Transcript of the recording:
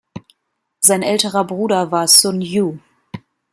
Sein älterer Bruder war Sun Yu.